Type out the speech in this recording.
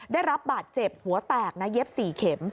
ได้รับบาดเจ็บหัวแตกนะเย็บ๔เข็ม